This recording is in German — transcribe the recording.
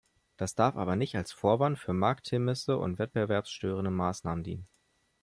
Das darf aber nicht als Vorwand für Markthemmnisse und wettbewerbsstörende Maßnahmen dienen.